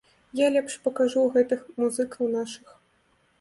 Я лепш пакажу гэтых музыкаў, нашых.